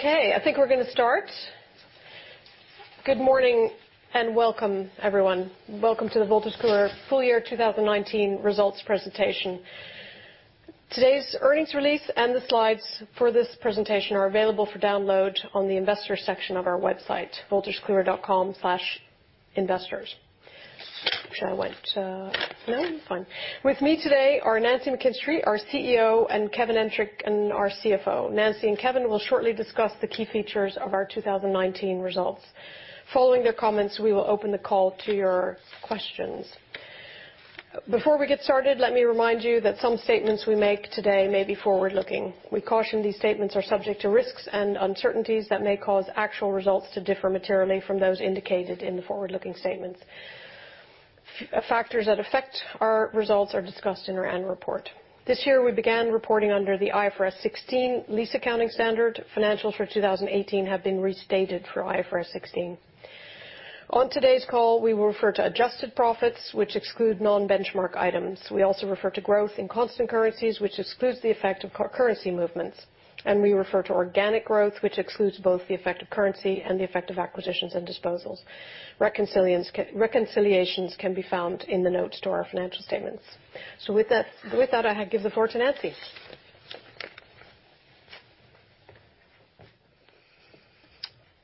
Okay, I think we're going to start. Good morning, and welcome, everyone. Welcome to the Wolters Kluwer Full Year 2019 Results Presentation. Today's earnings release and the slides for this presentation are available for download on the investors section of our website, wolterskluwer.com/investors. Should I wait? No? Fine. With me today are Nancy McKinstry, our CEO, and Kevin Entricken, our CFO. Nancy and Kevin will shortly discuss the key features of our 2019 results. Following their comments, we will open the call to your questions. Before we get started, let me remind you that some statements we make today may be forward-looking. We caution these statements are subject to risks and uncertainties that may cause actual results to differ materially from those indicated in the forward-looking statements. Factors that affect our results are discussed in our annual report. This year, we began reporting under the IFRS 16 lease accounting standard. Financials for 2018 have been restated for IFRS 16. On today's call, we will refer to adjusted profits, which exclude non-benchmark items. We also refer to growth in constant currencies, which excludes the effect of currency movements, and we refer to organic growth, which excludes both the effect of currency and the effect of acquisitions and disposals. Reconciliations can be found in the notes to our financial statements. With that, I give the floor to Nancy. Thank you,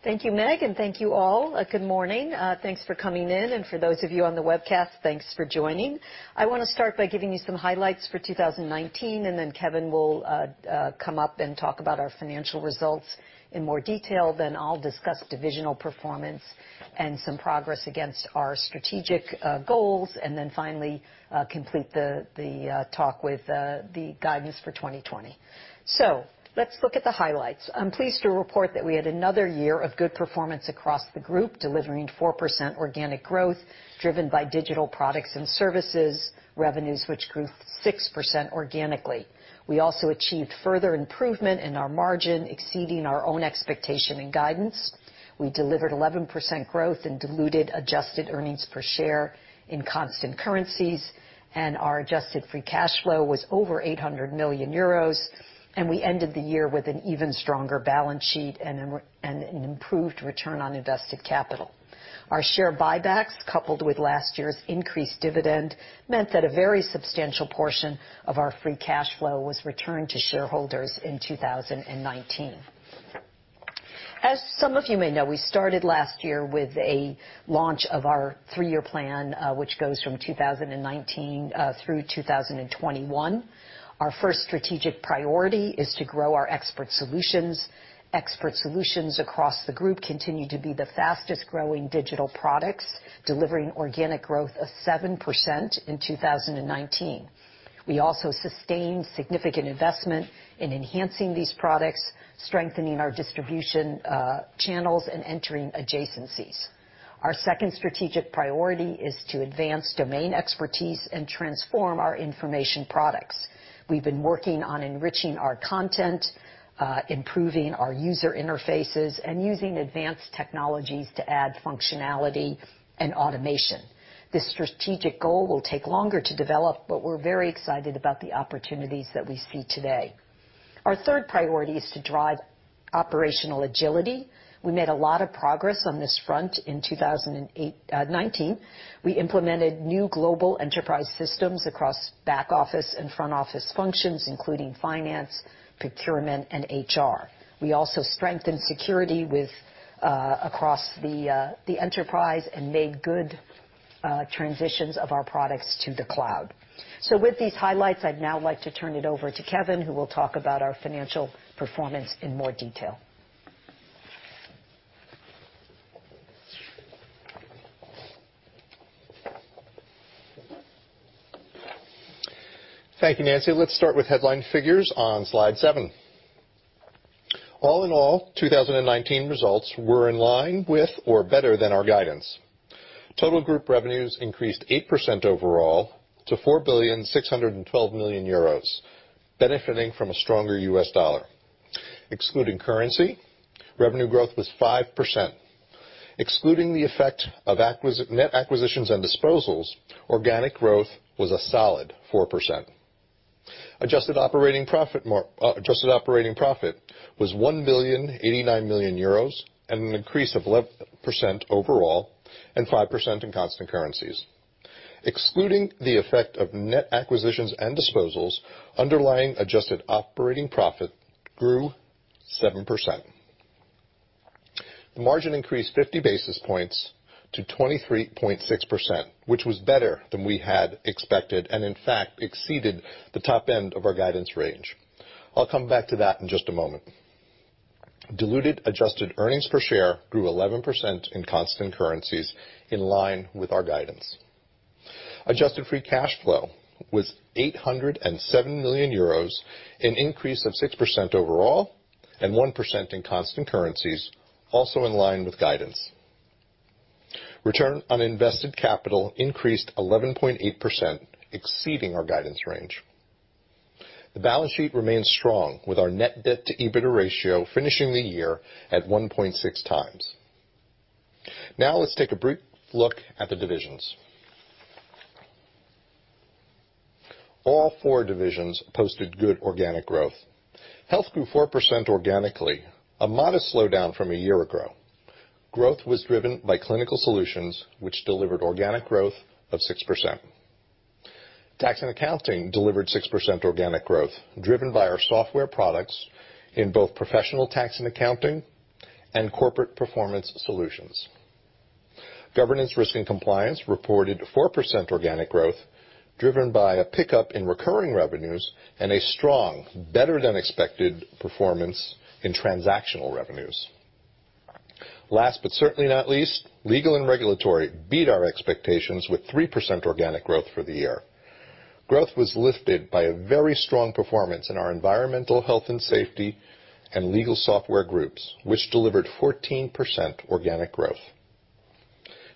Meg. Thank you all. Good morning. Thanks for coming in, and for those of you on the webcast, thanks for joining. I want to start by giving you some highlights for 2019. Then Kevin will come up and talk about our financial results in more detail. I'll discuss divisional performance and some progress against our strategic goals. Then finally, complete the talk with the guidance for 2020. Let's look at the highlights. I'm pleased to report that we had another year of good performance across the group, delivering 4% organic growth driven by digital products and services revenues, which grew 6% organically. We also achieved further improvement in our margin, exceeding our own expectation and guidance. We delivered 11% growth in diluted adjusted earnings per share in constant currencies, and our adjusted free cash flow was over 800 million euros, and we ended the year with an even stronger balance sheet and an improved return on invested capital. Our share buybacks, coupled with last year's increased dividend, meant that a very substantial portion of our free cash flow was returned to shareholders in 2019. As some of you may know, we started last year with a launch of our three-year plan, which goes from 2019 through 2021. Our first strategic priority is to grow our expert solutions. Expert solutions across the group continue to be the fastest-growing digital products, delivering organic growth of 7% in 2019. We also sustained significant investment in enhancing these products, strengthening our distribution channels, and entering adjacencies. Our second strategic priority is to advance domain expertise and transform our information products. We've been working on enriching our content, improving our user interfaces, and using advanced technologies to add functionality and automation. This strategic goal will take longer to develop, but we're very excited about the opportunities that we see today. Our third priority is to drive operational agility. We made a lot of progress on this front in 2019. We implemented new global enterprise systems across back-office and front-office functions, including finance, procurement, and HR. We also strengthened security across the enterprise and made good transitions of our products to the cloud. With these highlights, I'd now like to turn it over to Kevin, who will talk about our financial performance in more detail. Thank you, Nancy. Let's start with headline figures on slide seven. All in all, 2019 results were in line with or better than our guidance. Total group revenues increased 8% overall to 4,612,000,000 euros, benefiting from a stronger U.S. dollar. Excluding currency, revenue growth was 5%. Excluding the effect of net acquisitions and disposals, organic growth was a solid 4%. Adjusted operating profit was 1,089,000,000 euros and an increase of 11% overall and 5% in constant currencies. Excluding the effect of net acquisitions and disposals, underlying adjusted operating profit grew 7%. The margin increased 50 basis points to 23.6%, which was better than we had expected, and in fact, exceeded the top end of our guidance range. I'll come back to that in just a moment. Diluted adjusted earnings per share grew 11% in constant currencies in line with our guidance. Adjusted free cash flow was 807 million euros, an increase of 6% overall and 1% in constant currencies, also in line with guidance. Return on invested capital increased 11.8%, exceeding our guidance range. The balance sheet remains strong, with our net debt to EBITDA ratio finishing the year at 1.6x. Now let's take a brief look at the divisions. All four divisions posted good organic growth. Health grew 4% organically, a modest slowdown from a year ago. Growth was driven by clinical solutions, which delivered organic growth of 6%. Tax & Accounting delivered 6% organic growth, driven by our software products in both professional Tax & Accounting and corporate performance solutions. Governance, Risk & Compliance reported 4% organic growth driven by a pickup in recurring revenues and a strong, better-than-expected performance in transactional revenues. Last, but certainly not least, Legal & Regulatory beat our expectations with 3% organic growth for the year. Growth was lifted by a very strong performance in our Environment, Health & Safety and legal software groups, which delivered 14% organic growth.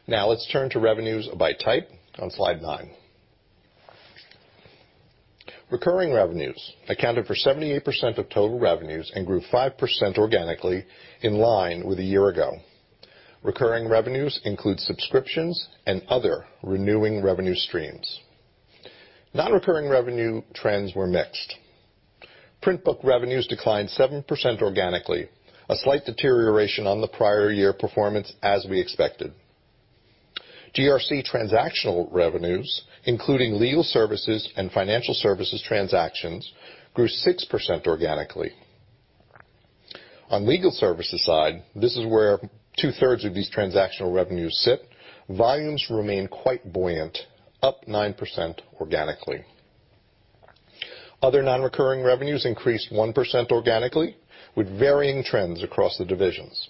Let's turn to revenues by type on slide nine. Recurring revenues accounted for 78% of total revenues and grew 5% organically in line with a year ago. Recurring revenues include subscriptions and other renewing revenue streams. Non-recurring revenue trends were mixed. Print book revenues declined 7% organically, a slight deterioration on the prior year performance as we expected. GRC transactional revenues, including legal services and financial services transactions, grew 6% organically. On legal services side, this is where 2/3 of these transactional revenues sit. Volumes remain quite buoyant, up 9% organically. Other non-recurring revenues increased 1% organically with varying trends across the divisions.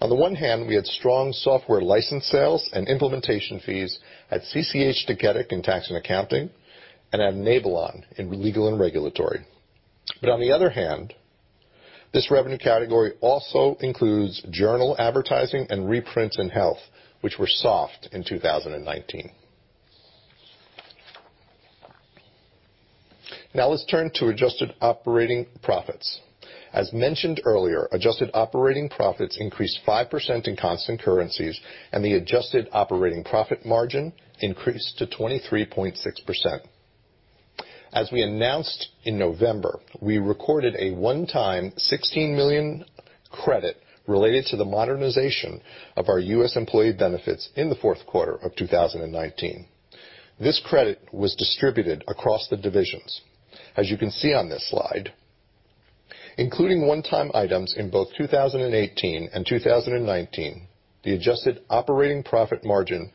On the one hand, we had strong software license sales and implementation fees at CCH Tagetik in Tax & Accounting and at Enablon in Legal & Regulatory. On the other hand, this revenue category also includes journal advertising and reprints in Health, which were soft in 2019. Let's turn to adjusted operating profits. As mentioned earlier, adjusted operating profits increased 5% in constant currencies and the adjusted operating profit margin increased to 23.6%. As we announced in November, we recorded a one-time 16 million credit related to the modernization of our U.S. employee benefits in the fourth quarter of 2019. This credit was distributed across the divisions. As you can see on this slide, including one-time items in both 2018 and 2019, the adjusted operating profit margin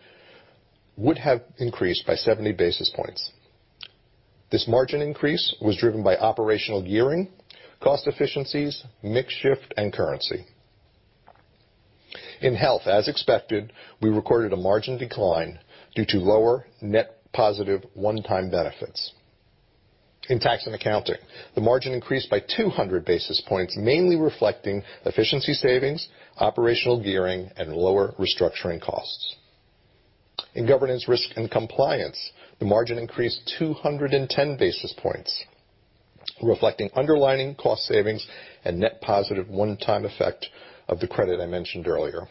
would have increased by 70 basis points. This margin increase was driven by operational gearing, cost efficiencies, mix shift, and currency. In Health, as expected, we recorded a margin decline due to lower net positive one-time benefits. In Tax & Accounting, the margin increased by 200 basis points, mainly reflecting efficiency savings, operational gearing, and lower restructuring costs. In Governance, Risk & Compliance, the margin increased 210 basis points, reflecting underlying cost savings and net positive one-time effect of the credit I mentioned earlier.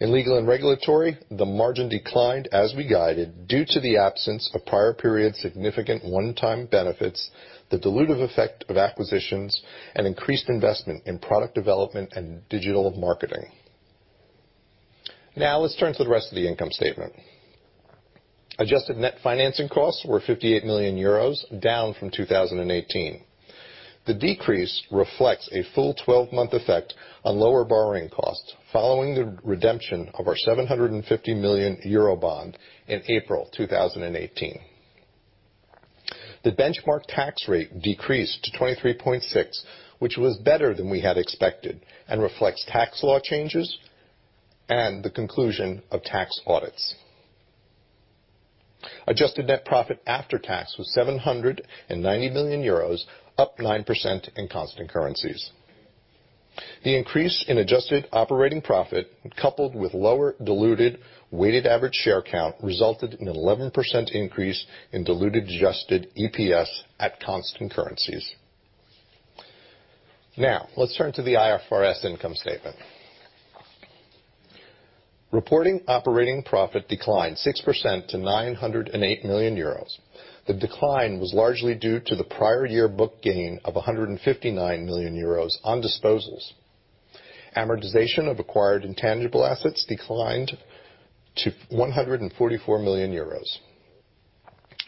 In Legal & Regulatory, the margin declined as we guided due to the absence of prior period significant one-time benefits, the dilutive effect of acquisitions, and increased investment in product development and digital marketing. Now let's turn to the rest of the income statement. Adjusted net financing costs were 58 million euros down from 2018. The decrease reflects a full 12-month effect on lower borrowing costs following the redemption of our 750 million Eurobond in April 2018. The benchmark tax rate decreased to 23.6%, which was better than we had expected and reflects tax law changes and the conclusion of tax audits. Adjusted net profit after tax was 790 million euros, up 9% in constant currencies. The increase in adjusted operating profit, coupled with lower diluted weighted average share count, resulted in an 11% increase in diluted adjusted EPS at constant currencies. Let's turn to the IFRS income statement. Reporting operating profit declined 6% to 908 million euros. The decline was largely due to the prior year book gain of 159 million euros on disposals. Amortization of acquired intangible assets declined to 144 million euros.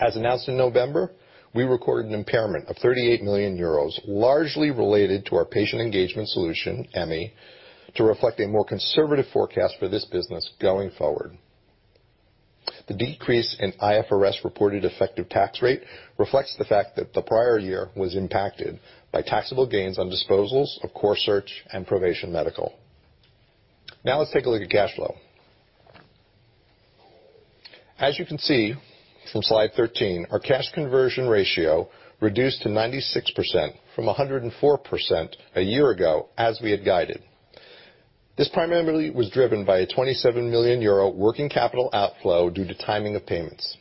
As announced in November, we recorded an impairment of 38 million euros, largely related to our patient engagement solution, Emmi, to reflect a more conservative forecast for this business going forward. The decrease in IFRS-reported effective tax rate reflects the fact that the prior year was impacted by taxable gains on disposals of Corsearch and ProVation Medical. Let's take a look at cash flow. As you can see from slide 13, our cash conversion ratio reduced to 96% from 104% a year ago as we had guided. This primarily was driven by a 27 million euro working capital outflow due to timing of payments.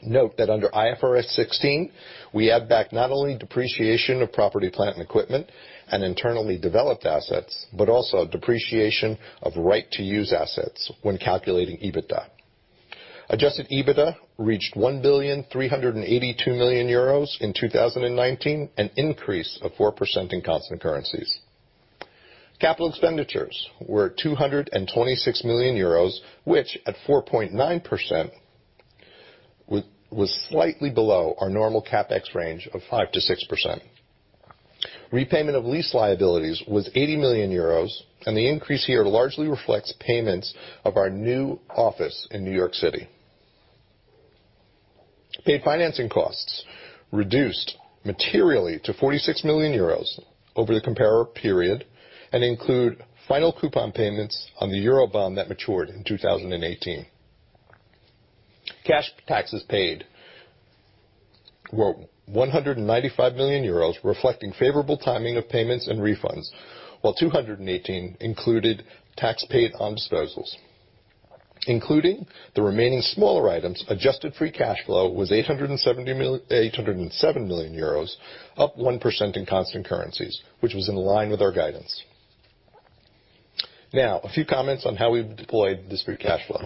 Note that under IFRS 16, we add back not only depreciation of property, plant, and equipment and internally developed assets, but also depreciation of right-to-use assets when calculating EBITDA. Adjusted EBITDA reached 1,382,000,000 euros in 2019, an increase of 4% in constant currencies. Capital expenditures were at 226 million euros, which at 4.9%, was slightly below our normal CapEx range of 5%-6%. Repayment of lease liabilities was 80 million euros, and the increase here largely reflects payments of our new office in New York City. Paid financing costs reduced materially to 46 million euros over the comparable period and include final coupon payments on the Eurobond that matured in 2018. Cash taxes paid were 195 million euros, reflecting favorable timing of payments and refunds, while 2018 included tax paid on disposals. Including the remaining smaller items, adjusted free cash flow was 807 million euros, up 1% in constant currencies, which was in line with our guidance. Now, a few comments on how we've deployed this free cash flow.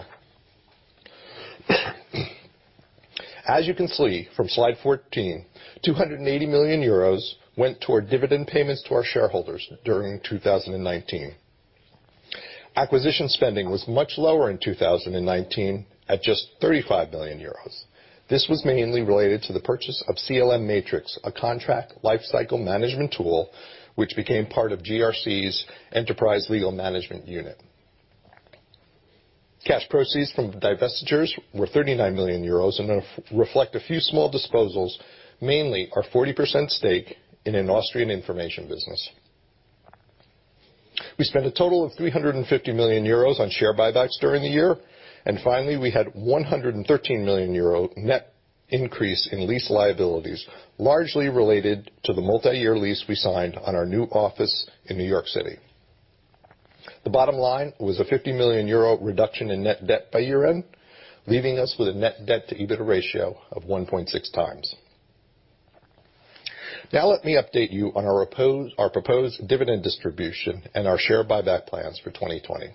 As you can see from slide 14, 280 million euros went toward dividend payments to our shareholders during 2019. Acquisition spending was much lower in 2019 at just 35 million euros. This was mainly related to the purchase of CLM Matrix, a contract lifecycle management tool, which became part of GRC's Enterprise Legal Management unit. Cash proceeds from divestitures were 39 million euros and reflect a few small disposals, mainly our 40% stake in an Austrian information business. We spent a total of 350 million euros on share buybacks during the year. Finally, we had 113 million euro net increase in lease liabilities, largely related to the multi-year lease we signed on our new office in New York City. The bottom line was a 50 million euro reduction in net debt by year-end, leaving us with a net debt to EBITDA ratio of 1.6x. Let me update you on our proposed dividend distribution and our share buyback plans for 2020.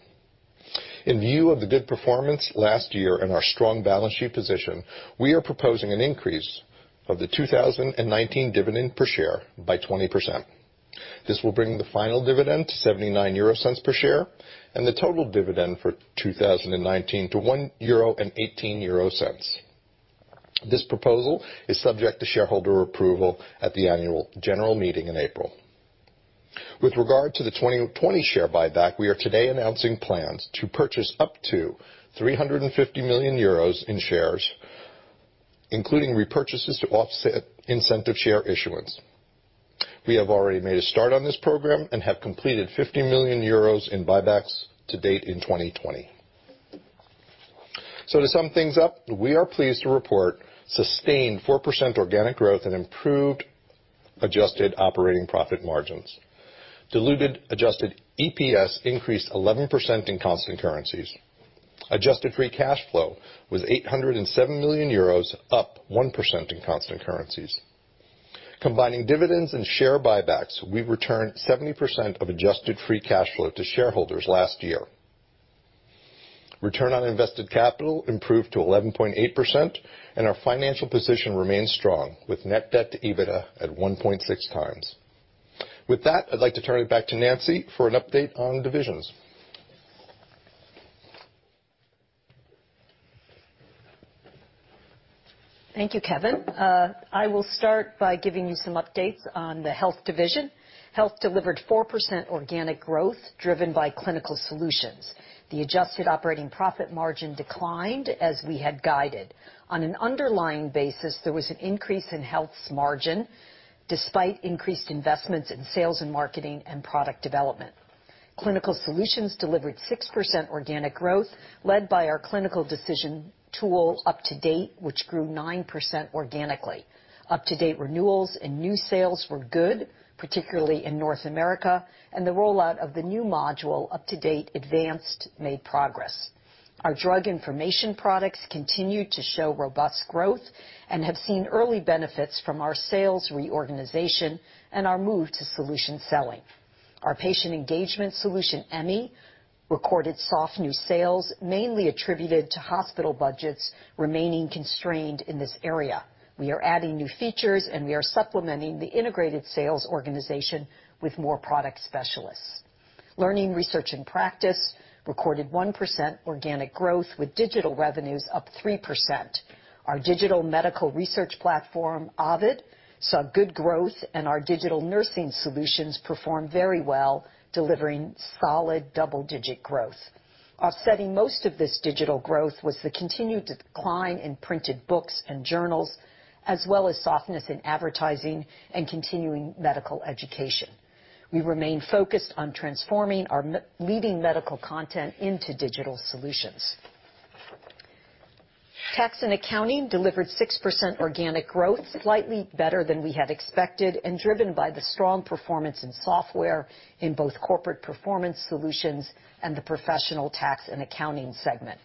In view of the good performance last year and our strong balance sheet position, we are proposing an increase of the 2019 dividend per share by 20%. This will bring the final dividend to 0.79 per share, and the total dividend for 2019 to 1.18 euro. This proposal is subject to shareholder approval at the annual general meeting in April. With regard to the 2020 share buyback, we are today announcing plans to purchase up to 350 million euros in shares, including repurchases to offset incentive share issuance. We have already made a start on this program and have completed 50 million euros in buybacks to date in 2020. To sum things up, we are pleased to report sustained 4% organic growth and improved adjusted operating profit margins. Diluted adjusted EPS increased 11% in constant currencies. Adjusted free cash flow was 807 million euros, up 1% in constant currencies. Combining dividends and share buybacks, we returned 70% of adjusted free cash flow to shareholders last year. Return on invested capital improved to 11.8%, and our financial position remains strong, with net debt to EBITDA at 1.6x. With that, I'd like to turn it back to Nancy for an update on divisions. Thank you, Kevin. I will start by giving you some updates on the Health division. Health delivered 4% organic growth, driven by Clinical Solutions. The adjusted operating profit margin declined as we had guided. On an underlying basis, there was an increase in Health's margin, despite increased investments in sales and marketing and product development. Clinical Solutions delivered 6% organic growth, led by our clinical decision tool UpToDate, which grew 9% organically. UpToDate renewals and new sales were good, particularly in North America, and the rollout of the new module, UpToDate Advanced, made progress. Our drug information products continued to show robust growth and have seen early benefits from our sales reorganization and our move to solution selling. Our patient engagement solution, Emmi, recorded soft new sales, mainly attributed to hospital budgets remaining constrained in this area. We are adding new features, we are supplementing the integrated sales organization with more product specialists. Learning, research, and practice recorded 1% organic growth with digital revenues up 3%. Our digital medical research platform, Ovid, saw good growth, and our digital nursing solutions performed very well, delivering solid double-digit growth. Offsetting most of this digital growth was the continued decline in printed books and journals, as well as softness in advertising and continuing medical education. We remain focused on transforming our leading medical content into digital solutions. Tax & Accounting delivered 6% organic growth, slightly better than we had expected, and driven by the strong performance in software in both Corporate performance solutions and the professional Tax & Accounting segment.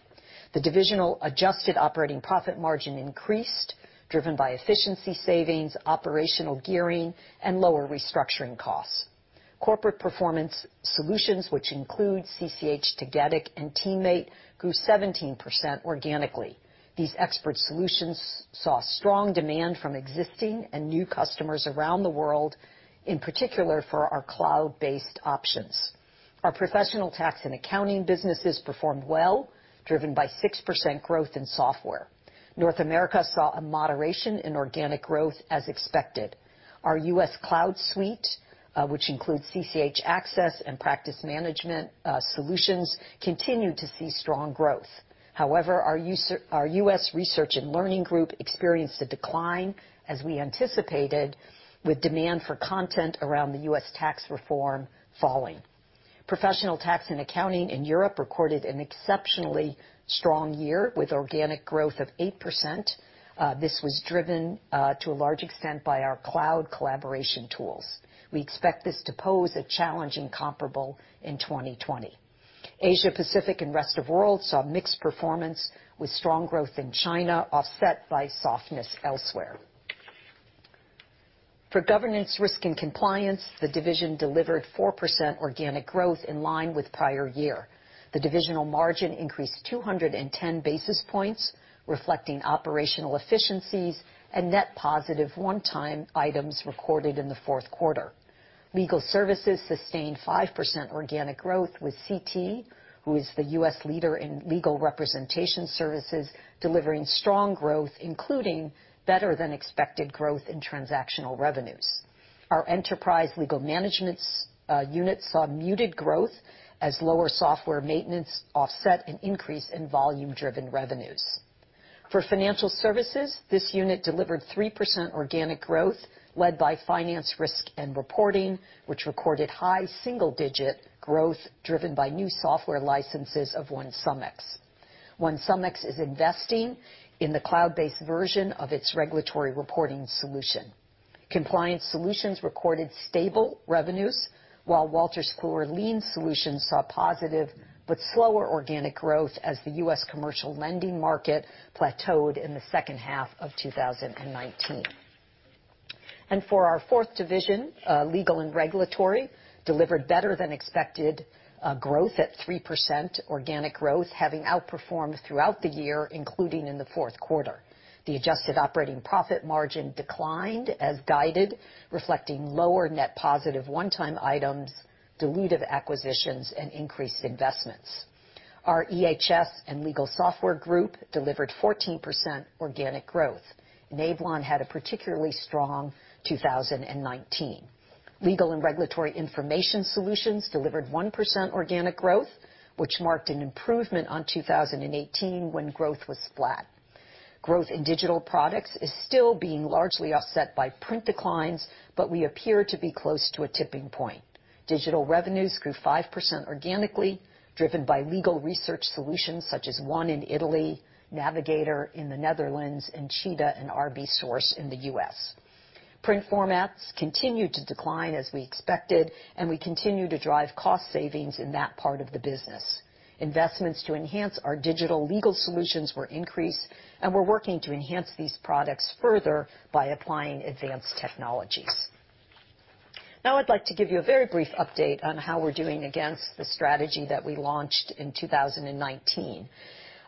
The divisional adjusted operating profit margin increased, driven by efficiency savings, operational gearing, and lower restructuring costs. Corporate performance solutions, which include CCH Tagetik and TeamMate, grew 17% organically. These expert solutions saw strong demand from existing and new customers around the world, in particular, for our cloud-based options. Our professional Tax & Accounting businesses performed well, driven by 6% growth in software. North America saw a moderation in organic growth as expected. Our U.S. Cloud Suite, which includes CCH Axcess and practice management solutions, continued to see strong growth. However, our U.S. Research & Learning group experienced a decline, as we anticipated, with demand for content around the U.S. tax reform falling. Professional Tax & Accounting in Europe recorded an exceptionally strong year with organic growth of 8%. This was driven to a large extent by our cloud collaboration tools. We expect this to pose a challenging comparable in 2020. Asia-Pacific and rest of world saw mixed performance with strong growth in China offset by softness elsewhere. For Governance, Risk & Compliance, the division delivered 4% organic growth in line with prior year. The divisional margin increased 210 basis points, reflecting operational efficiencies and net positive one-time items recorded in the fourth quarter. Legal services sustained 5% organic growth with CT, who is the U.S. leader in legal representation services, delivering strong growth, including better than expected growth in transactional revenues. Our Enterprise Legal Management unit saw muted growth as lower software maintenance offset an increase in volume-driven revenues. For financial services, this unit delivered 3% organic growth led by Finance, Risk & Reporting, which recorded high single-digit growth driven by new software licenses of OneSumX. OneSumX is investing in the cloud-based version of its regulatory reporting solution. Compliance Solutions recorded stable revenues, while Wolters Kluwer Lien Solutions saw positive but slower organic growth as the U.S. commercial lending market plateaued in the second half of 2019. For our fourth division, Legal & Regulatory delivered better than expected growth at 3% organic growth, having outperformed throughout the year, including in the fourth quarter. The adjusted operating profit margin declined as guided, reflecting lower net positive one-time items, dilutive acquisitions, and increased investments. Our EHS and legal software group delivered 14% organic growth. Enablon had a particularly strong 2019. Legal & Regulatory information solutions delivered 1% organic growth, which marked an improvement on 2018 when growth was flat. Growth in digital products is still being largely offset by print declines, but we appear to be close to a tipping point. Digital revenues grew 5% organically, driven by legal research solutions such as One in Italy, Navigator in the Netherlands, and Cheetah and RBSource in the U.S. Print formats continued to decline as we expected, and we continue to drive cost savings in that part of the business. Investments to enhance our digital legal solutions were increased, and we're working to enhance these products further by applying advanced technologies. Now I'd like to give you a very brief update on how we're doing against the strategy that we launched in 2019.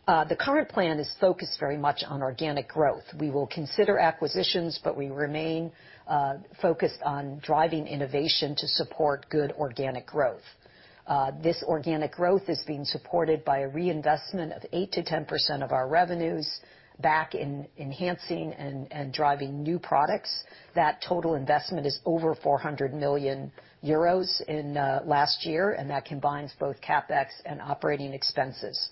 The current plan is focused very much on organic growth. We will consider acquisitions, but we remain focused on driving innovation to support good organic growth. This organic growth is being supported by a reinvestment of 8%-10% of our revenues back in enhancing and driving new products. That total investment is over 400 million euros in last year, and that combines both CapEx and operating expenses.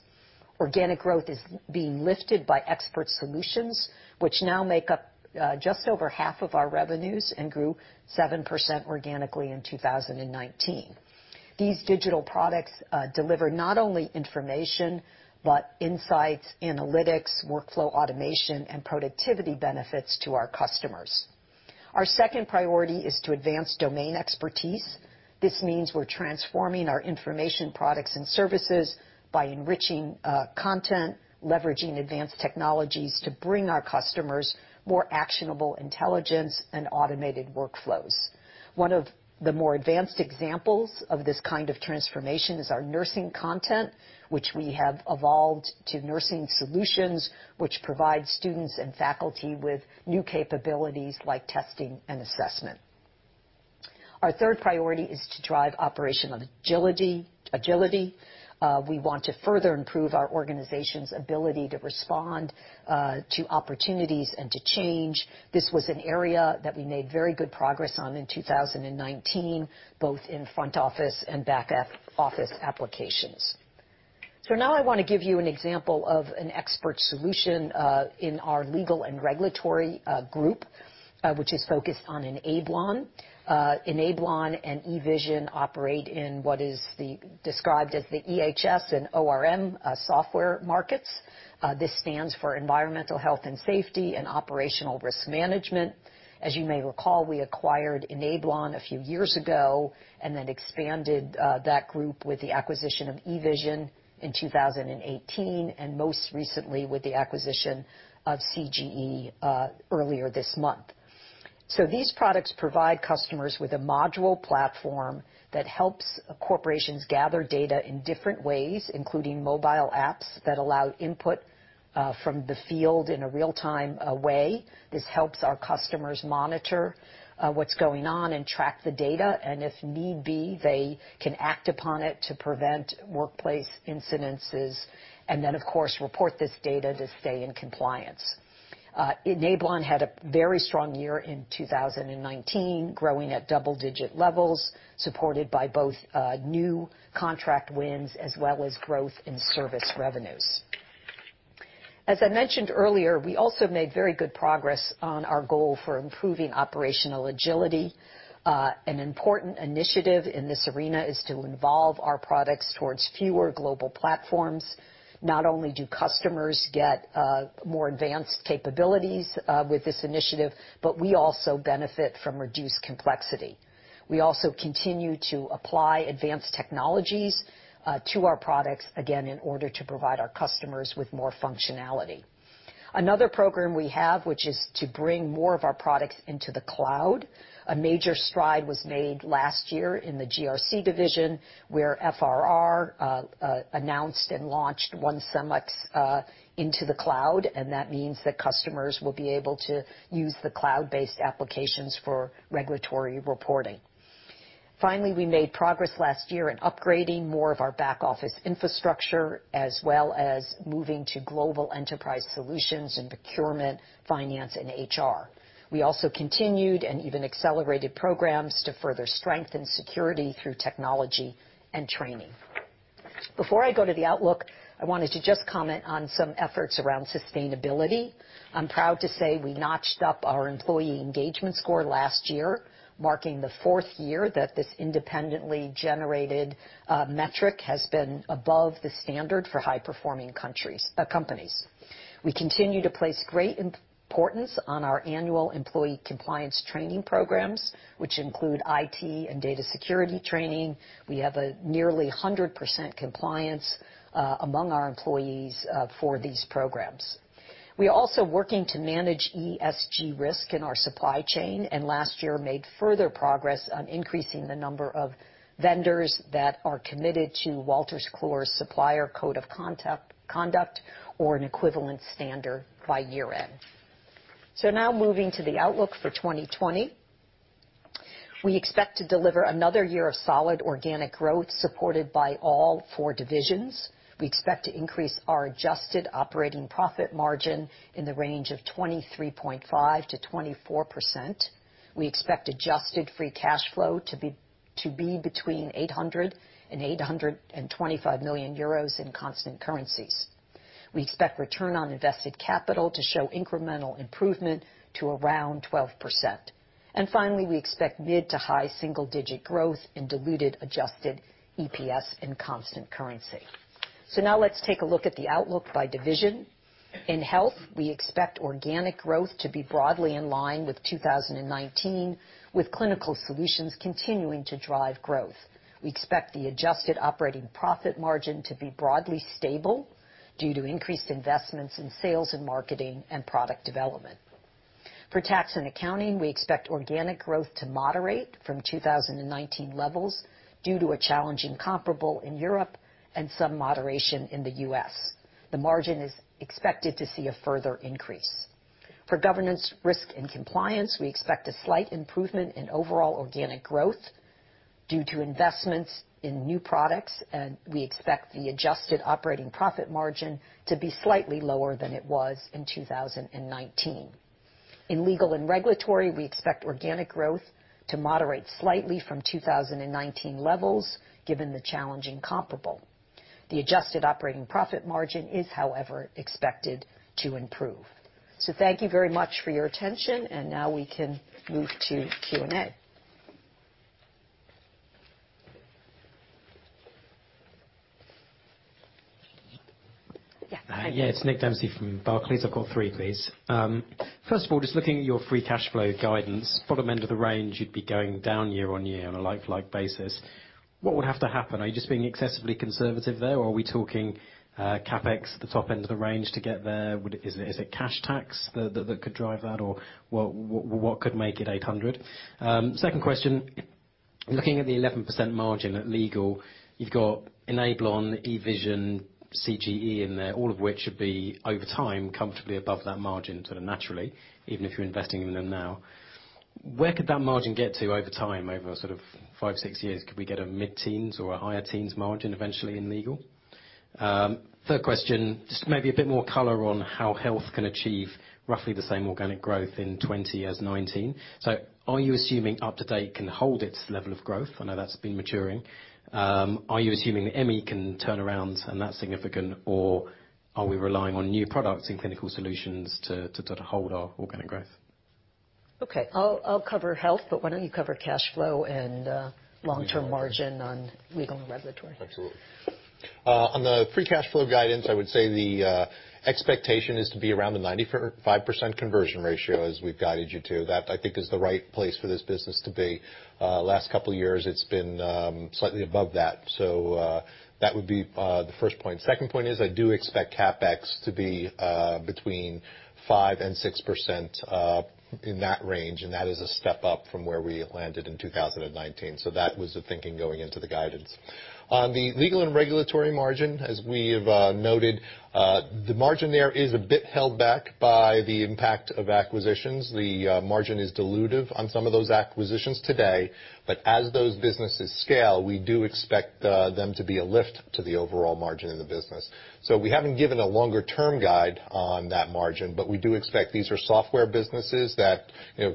Organic growth is being lifted by expert solutions, which now make up just over half of our revenues and grew 7% organically in 2019. These digital products deliver not only information but insights, analytics, workflow automation, and productivity benefits to our customers. Our second priority is to advance domain expertise. This means we're transforming our information products and services by enriching content, leveraging advanced technologies to bring our customers more actionable intelligence and automated workflows. One of the more advanced examples of this kind of transformation is our nursing content, which we have evolved to nursing solutions, which provide students and faculty with new capabilities like testing and assessment. Our third priority is to drive operational agility. We want to further improve our organization's ability to respond to opportunities and to change. This was an area that we made very good progress on in 2019, both in front office and back office applications. Now I want to give you an example of an expert solution in our Legal & Regulatory group, which is focused on Enablon. Enablon and eVision operate in what is described as the EHS and ORM software markets. This stands for Environmental Health & Safety and Operational Risk Management. As you may recall, we acquired Enablon a few years ago and then expanded that group with the acquisition of eVision in 2018 and most recently with the acquisition of CGE earlier this month. These products provide customers with a module platform that helps corporations gather data in different ways, including mobile apps that allow input from the field in a real-time way. This helps our customers monitor what's going on and track the data, and if need be, they can act upon it to prevent workplace incidents and then, of course, report this data to stay in compliance. Enablon had a very strong year in 2019, growing at double-digit levels, supported by both new contract wins as well as growth in service revenues. As I mentioned earlier, we also made very good progress on our goal for improving operational agility. An important initiative in this arena is to evolve our products towards fewer global platforms. Not only do customers get more advanced capabilities with this initiative, but we also benefit from reduced complexity. We also continue to apply advanced technologies to our products, again, in order to provide our customers with more functionality. Another program we have, which is to bring more of our products into the cloud. A major stride was made last year in the GRC division, where FRR announced and launched OneSumX into the cloud. That means that customers will be able to use the cloud-based applications for regulatory reporting. We made progress last year in upgrading more of our back-office infrastructure, as well as moving to global enterprise solutions in procurement, finance, and HR. We also continued and even accelerated programs to further strengthen security through technology and training. Before I go to the outlook, I wanted to just comment on some efforts around sustainability. I'm proud to say we notched up our employee engagement score last year, marking the fourth year that this independently generated metric has been above the standard for high-performing companies. We continue to place great importance on our annual employee compliance training programs, which include IT and data security training. We have a nearly 100% compliance among our employees for these programs. We are also working to manage ESG risk in our supply chain, and last year made further progress on increasing the number of vendors that are committed to Wolters Kluwer's supplier code of conduct or an equivalent standard by year-end. Now moving to the outlook for 2020. We expect to deliver another year of solid organic growth supported by all four divisions. We expect to increase our adjusted operating profit margin in the range of 23.5%-24%. We expect adjusted free cash flow to be between 800 million euros and 825 million euros in constant currencies. We expect return on invested capital to show incremental improvement to around 12%. Finally, we expect mid to high single-digit growth in diluted adjusted EPS in constant currency. Now let's take a look at the outlook by division. In Health, we expect organic growth to be broadly in line with 2019, with Clinical Solutions continuing to drive growth. We expect the adjusted operating profit margin to be broadly stable due to increased investments in sales and marketing and product development. For Tax & Accounting, we expect organic growth to moderate from 2019 levels due to a challenging comparable in Europe and some moderation in the U.S. The margin is expected to see a further increase. For Governance, Risk & Compliance, we expect a slight improvement in overall organic growth due to investments in new products, and we expect the adjusted operating profit margin to be slightly lower than it was in 2019. In Legal & Regulatory, we expect organic growth to moderate slightly from 2019 levels, given the challenging comparable. The adjusted operating profit margin is, however, expected to improve. Thank you very much for your attention, and now we can move to Q&A. Yeah. It's Nick Dempsey from Barclays. I've got three, please. First of all, just looking at your free cash flow guidance, bottom end of the range, you'd be going down year-on-year on a like-for-like basis. What would have to happen? Are you just being excessively conservative there, or are we talking CapEx at the top end of the range to get there? Is it cash tax that could drive that, or what could make it 800 million? Second question, looking at the 11% margin at legal, you've got Enablon, eVision, CGE in there, all of which should be, over time, comfortably above that margin sort of naturally, even if you're investing in them now. Where could that margin get to over time, over sort of five, six years? Could we get a mid-teens or a higher teens margin eventually in legal? Third question, just maybe a bit more color on how Health can achieve roughly the same organic growth in 2020 as 2019. Are you assuming UpToDate can hold its level of growth? I know that's been maturing. Are you assuming that Emmi can turn around and that's significant, or are we relying on new products in clinical solutions to sort of hold our organic growth? Okay. I'll cover Health, but why don't you cover cash flow and long-term margin on Legal & Regulatory? Absolutely. On the free cash flow guidance, I would say the expectation is to be around the 95% conversion ratio as we've guided you to. That, I think is the right place for this business to be. Last couple of years, it's been slightly above that. That would be the first point. Second point is I do expect CapEx to be between 5% and 6%, in that range, and that is a step up from where we landed in 2019. That was the thinking going into the guidance. On the Legal & Regulatory margin, as we have noted, the margin there is a bit held back by the impact of acquisitions. The margin is dilutive on some of those acquisitions today. As those businesses scale, we do expect them to be a lift to the overall margin in the business. We haven't given a longer-term guide on that margin, but we do expect these are software businesses that,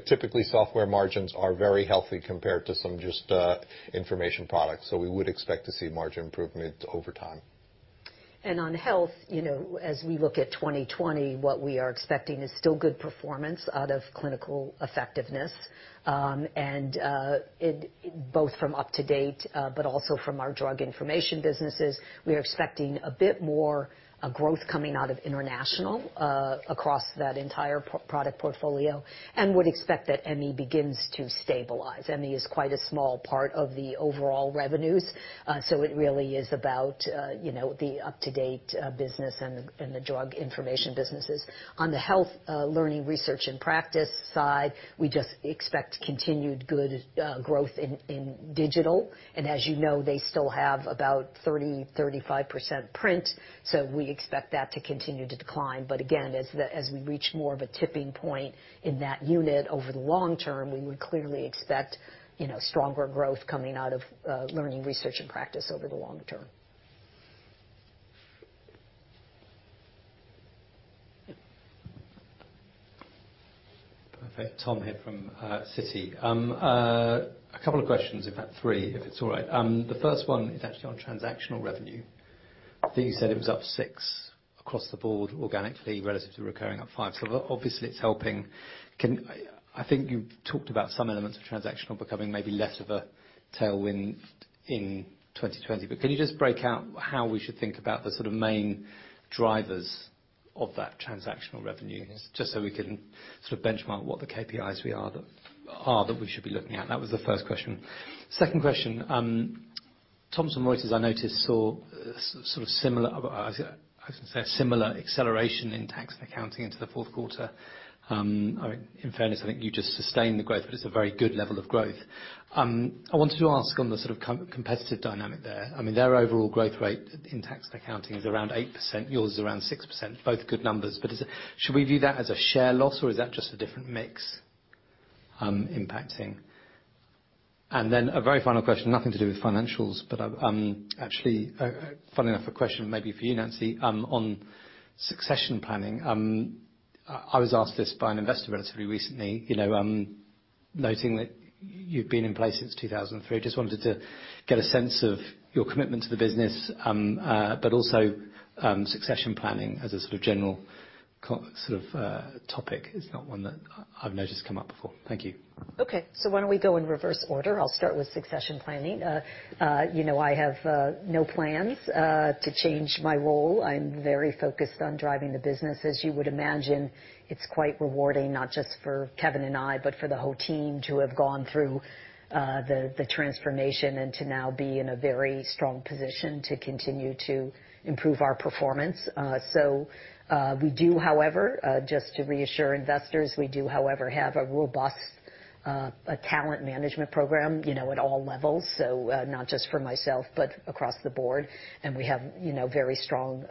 typically software margins are very healthy compared to some just information products. We would expect to see margin improvement over time. On health, as we look at 2020, what we are expecting is still good performance out of clinical effectiveness. Both from UpToDate but also from our drug information businesses. We are expecting a bit more growth coming out of international, across that entire product portfolio, and would expect that Emmi begins to stabilize. Emmi is quite a small part of the overall revenues, so it really is about the UpToDate business and the drug information businesses. On the health learning, research, and practice side, we just expect continued good growth in digital. As you know, they still have about 30%, 35% print, so we expect that to continue to decline. Again, as we reach more of a tipping point in that unit over the long term, we would clearly expect stronger growth coming out of learning, research, and practice over the long term. Perfect. Tom here from Citi. A couple of questions, in fact three, if it's all right. The first one is actually on transactional revenue. I think you said it was up six across the board organically relative to recurring up five. Obviously it's helping. I think you talked about some elements of transactional becoming maybe less of a tailwind in 2020, but can you just break out how we should think about the sort of main drivers of that transactional revenue? Just so we can sort of benchmark what the KPIs are that we should be looking at. That was the first question. Second question. Thomson Reuters, I noticed, saw sort of similar, I was going to say, a similar acceleration in Tax & Accounting into the fourth quarter. In fairness, I think you just sustained the growth, but it's a very good level of growth. I wanted to ask on the sort of competitive dynamic there. Their overall growth rate in Tax & Accounting is around 8%, yours is around 6%, both good numbers. Should we view that as a share loss, or is that just a different mix impacting? A very final question, nothing to do with financials, but actually fun enough, a question maybe for you, Nancy, on succession planning. I was asked this by an investor relatively recently, noting that you've been in place since 2003. Just wanted to get a sense of your commitment to the business, but also, succession planning as a sort of general topic is not one that I've noticed come up before. Thank you. Okay. Why don't we go in reverse order? I'll start with succession planning. I'm very focused on driving the business. As you would imagine, it's quite rewarding, not just for Kevin and I, but for the whole team to have gone through the transformation and to now be in a very strong position to continue to improve our performance. Just to reassure investors, we do, however, have a robust talent management program at all levels. Not just for myself, but across the board, and we have very strong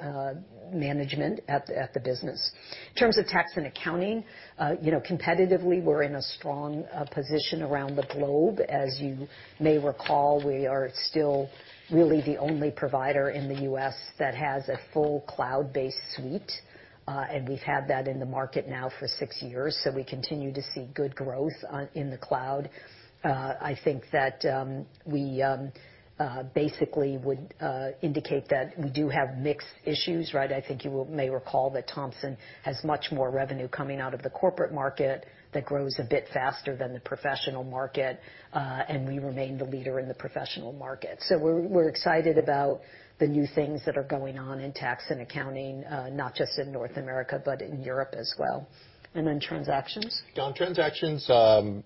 management at the business. In terms of Tax & Accounting, competitively, we're in a strong position around the globe. As you may recall, we are still really the only provider in the U.S. that has a full cloud-based suite. We've had that in the market now for six years, so we continue to see good growth in the cloud. I think that we basically would indicate that we do have mixed issues, right? I think you may recall that Thomson has much more revenue coming out of the corporate market that grows a bit faster than the professional market, and we remain the leader in the professional market. We're excited about the new things that are going on in Tax & Accounting, not just in North America, but in Europe as well. Transactions? Transactions,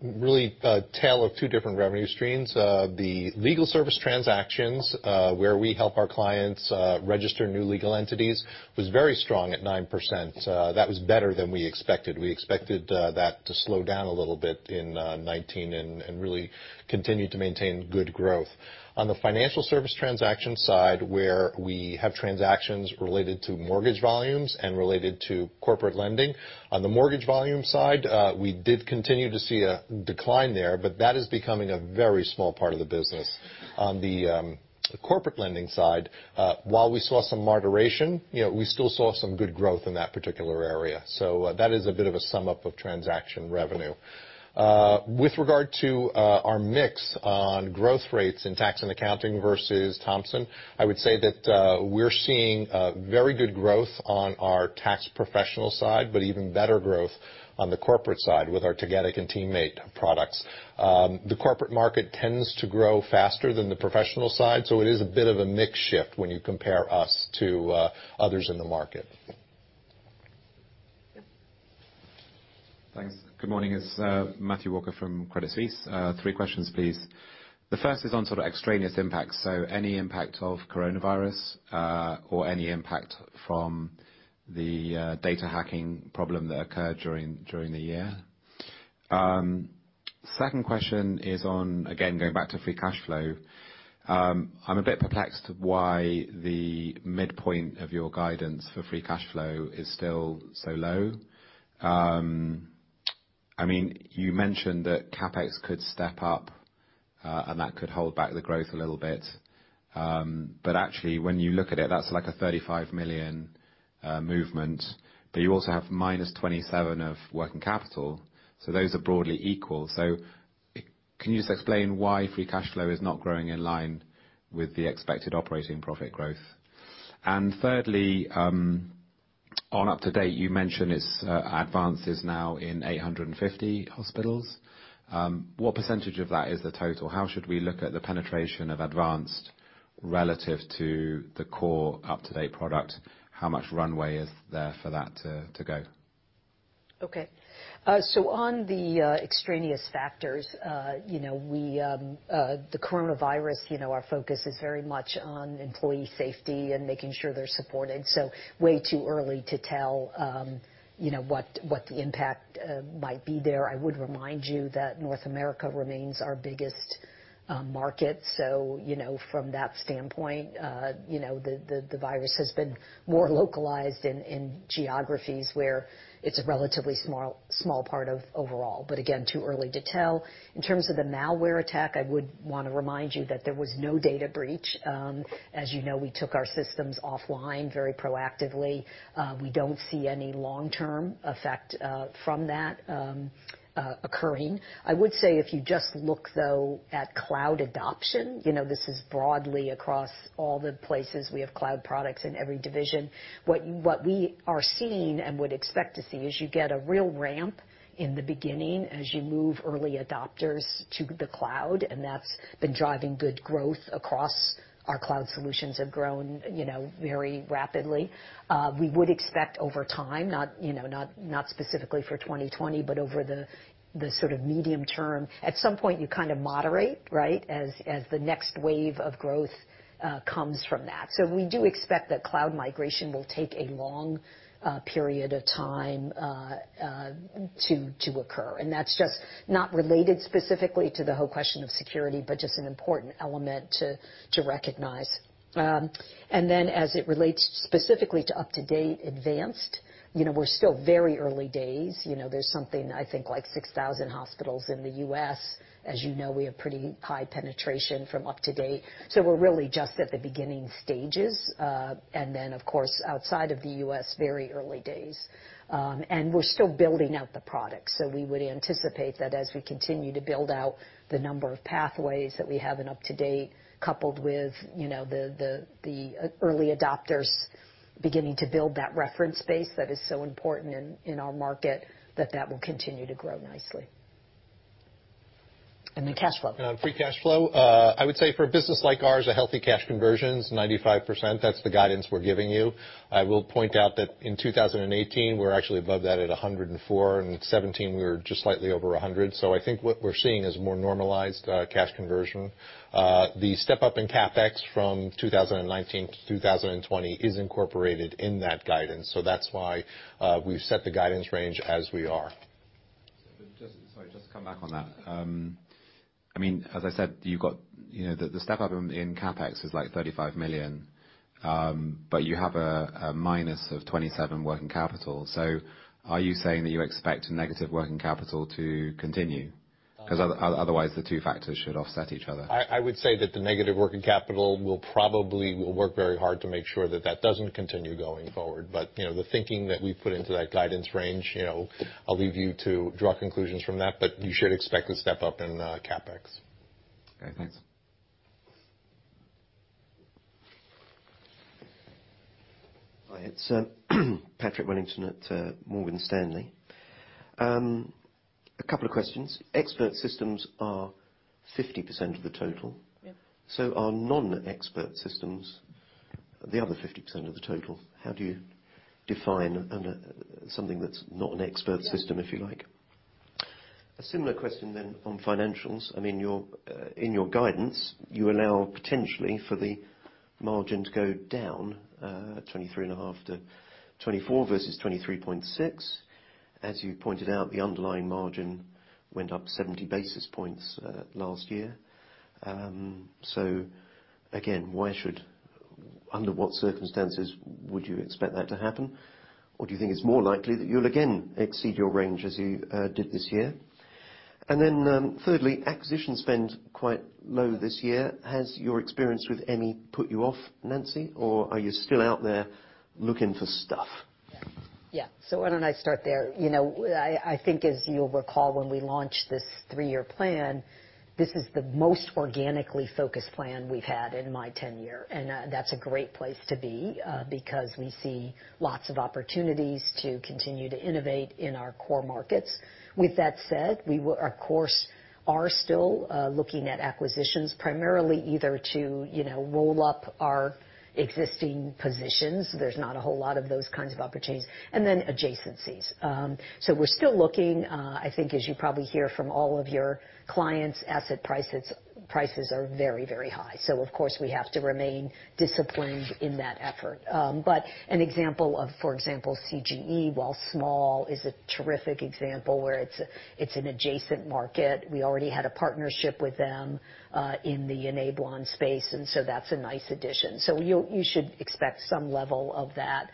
really a tale of two different revenue streams. The legal service transactions, where we help our clients register new legal entities, was very strong at 9%. That was better than we expected. We expected that to slow down a little bit in 2019 and really continue to maintain good growth. The financial service transaction side, where we have transactions related to mortgage volumes and related to corporate lending. The mortgage volume side, we did continue to see a decline there, but that is becoming a very small part of the business. The corporate lending side, while we saw some moderation, we still saw some good growth in that particular area. That is a bit of a sum up of transaction revenue. With regard to our mix on growth rates in Tax & Accounting versus Thomson, I would say that we're seeing very good growth on our tax professional side, but even better growth on the corporate side with our CCH Tagetik and TeamMate products. The corporate market tends to grow faster than the professional side, so it is a bit of a mix shift when you compare us to others in the market. Thanks. Good morning. It's Matthew Walker from Credit Suisse. Three questions, please. The first is on sort of extraneous impacts, so any impact of coronavirus, or any impact from the data hacking problem that occurred during the year. Second question is on, again, going back to free cash flow. I'm a bit perplexed why the midpoint of your guidance for free cash flow is still so low. You mentioned that CapEx could step up, and that could hold back the growth a little bit. Actually, when you look at it, that's like a 35 million movement. You also have -27 million of working capital, so those are broadly equal. Can you just explain why free cash flow is not growing in line with the expected operating profit growth? Thirdly, on UpToDate, you mentioned its Advanced is now in 850 hospitals. What percentage of that is the total? How should we look at the penetration of advanced, relative to the core UpToDate product? How much runway is there for that to go? Okay. On the extraneous factors, the coronavirus, our focus is very much on employee safety and making sure they're supported, way too early to tell what the impact might be there. I would remind you that North America remains our biggest market. From that standpoint, the virus has been more localized in geographies where it's a relatively small part of overall. Again, too early to tell. In terms of the malware attack, I would want to remind you that there was no data breach. As you know, we took our systems offline very proactively. We don't see any long-term effect from that occurring. I would say if you just look, though, at cloud adoption, this is broadly across all the places we have cloud products in every division. What we are seeing and would expect to see is you get a real ramp in the beginning as you move early adopters to the cloud. That's been driving good growth across. Our cloud solutions have grown very rapidly. We would expect over time, not specifically for 2020, but over the sort of medium term, at some point, you kind of moderate, right? As the next wave of growth comes from that. We do expect that cloud migration will take a long period of time to occur. That's just not related specifically to the whole question of security, but just an important element to recognize. Then as it relates specifically to UpToDate Advanced, we're still very early days. There's something, I think, like 6,000 hospitals in the U.S. As you know, we have pretty high penetration from UpToDate. We're really just at the beginning stages. Of course, outside of the U.S., very early days. We're still building out the product, so we would anticipate that as we continue to build out the number of pathways that we have in UpToDate, coupled with the early adopters beginning to build that reference base that is so important in our market, that that will continue to grow nicely. The cash flow. On free cash flow, I would say for a business like ours, a healthy cash conversion is 95%. That's the guidance we're giving you. I will point out that in 2018, we're actually above that at 104. In 2017, we were just slightly over 100. I think what we're seeing is more normalized cash conversion. The step-up in CapEx from 2019-2020 is incorporated in that guidance, so that's why we've set the guidance range as we are. Sorry, just to come back on that. As I said, the step-up in CapEx is like 35 million. You have a -27 million working capital. Are you saying that you expect negative working capital to continue? Otherwise, the two factors should offset each other. I would say that the negative working capital, we'll work very hard to make sure that that doesn't continue going forward. The thinking that we've put into that guidance range, I'll leave you to draw conclusions from that. You should expect a step up in CapEx. Okay, thanks. Hi, it's Patrick Wellington at Morgan Stanley. A couple of questions. Expert systems are 50% of the total. Yep. Are non-expert systems the other 50% of the total? How do you define something that's not an expert system if you like? A similar question on financials. In your guidance, you allow potentially for the margin to go down, 23.5%-24% versus 23.6%. As you pointed out, the underlying margin went up 70 basis points last year. Again, under what circumstances would you expect that to happen? Do you think it's more likely that you'll again exceed your range as you did this year? Thirdly, acquisition spend quite low this year. Has your experience with Emmi put you off, Nancy, or are you still out there looking for stuff? Yeah. Why don't I start there? I think as you'll recall, when we launched this three-year plan, this is the most organically focused plan we've had in my tenure. That's a great place to be, because we see lots of opportunities to continue to innovate in our core markets. With that said, we of course, are still looking at acquisitions primarily either to roll up our existing positions, there's not a whole lot of those kinds of opportunities, and then adjacencies. We're still looking, I think as you probably hear from all of your clients, asset prices are very, very high. Of course, we have to remain disciplined in that effort. An example of, for example, CGE, while small, is a terrific example where it's an adjacent market. We already had a partnership with them, in the Enablon space, and so that's a nice addition. You should expect some level of that